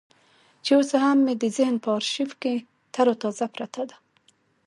چې اوس مې هم د ذهن په ارشيف کې ترو تازه پرته ده.